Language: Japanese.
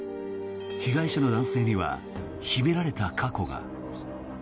被害者の男性には秘められた過去が。